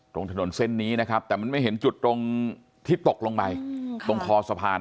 ตรงถนนเส้นนี้นะครับแต่มันไม่เห็นจุดตรงที่ตกลงไปตรงคอสะพาน